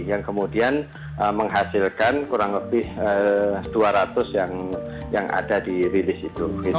yang kemudian menghasilkan kurang lebih dua ratus yang ada di rilis itu